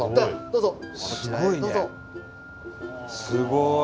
すごいね。